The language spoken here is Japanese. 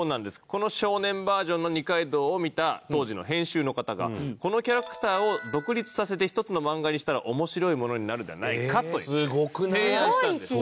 この少年バージョンの二階堂を見た当時の編集の方が「このキャラクターを独立させて一つの漫画にしたら面白いものになるのではないか」と提案したんです。